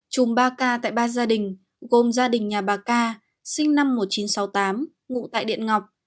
chùm ba ca tại ba gia đình gồm gia đình nhà bà ca sinh năm một nghìn chín trăm sáu mươi tám ngụ tại điện ngọc